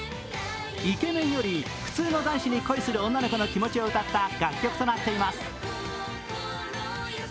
イケメンより普通の男子に恋する女の子の気持ちを歌った楽曲となっています。